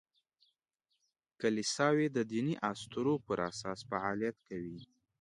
کلیساوې د دیني اسطورو پر اساس فعالیت کوي.